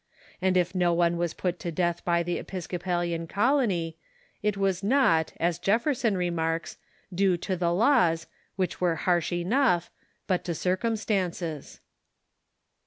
And if no one was put to death by the Episcopalian colony, it was not, as Jefferson remarks, due to the laws, which Avere harsh enough, but to circum stances.